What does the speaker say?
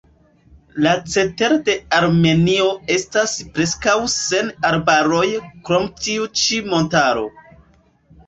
La cetero de Armenio estas preskaŭ sen arbaroj krom tiu ĉi montaro.